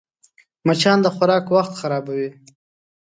مچان د خوراک وخت خرابوي